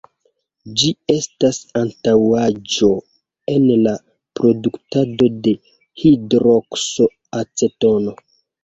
Ĝi estas antaŭaĵo en la produktado de "hidrokso-acetono".